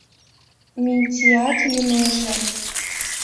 — Минтьеат йӱнеже.